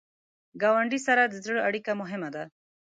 ګاونډي سره د زړه اړیکه مهمه ده